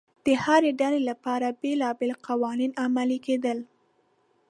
د هرې ډلې لپاره بېلابېل قوانین عملي کېدل